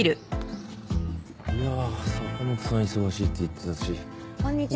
いやあ坂本さん忙しいって言ってたし。